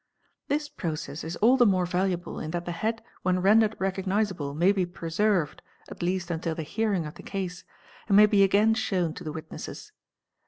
This process is all the more valuable in that the head when rendered recognisable may be preserved, at least until the hearing of the case, and may be again shown to the witnesses.